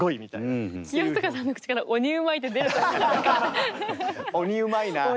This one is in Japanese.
清塚さんの口から「鬼うまい」って出ると思わなかった。